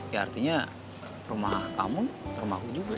ya artinya rumah kamu rumah aku juga